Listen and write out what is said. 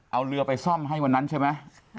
เอาเรือไปซ่อมให้วันนั้นใช่ไหม